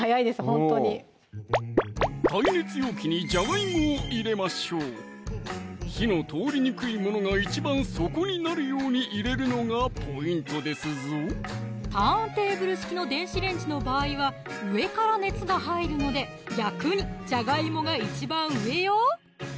ほんとに耐熱容器にじゃがいもを入れましょう火の通りにくいものが一番底になるように入れるのがポイントですぞターンテーブル式の電子レンジの場合は上から熱が入るので逆にじゃがいもが一番上よ